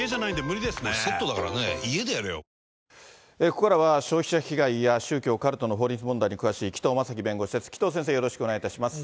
ここからは消費者被害や宗教、カルトの法律問題に詳しい紀藤正樹弁護士です。